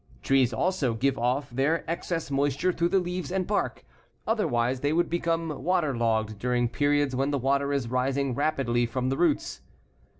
Trees also give off their excess moisture through the leaves and bark. Otherwise they would become waterlogged during periods when the water is rising rapidly from the roots.